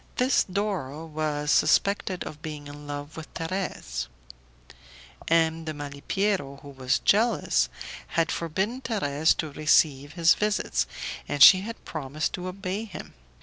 This Doro was suspected of being in love with Thérèse; M. de Malipiero, who was jealous, had forbidden Thérèse to receive his visits, and she had promised to obey him.